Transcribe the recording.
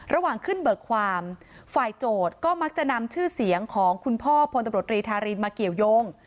ระหว่างขึ้นเบิกความฝ่ายโจทย์ก็มักจะนำชื่อเสียงของคุณพ่อพลตำรวจรีธารินมาเกี่ยวยง